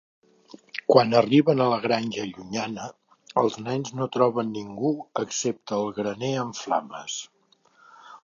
Quan arriben a la granja llunyana, els nens no troben ningú excepte el graner en flames.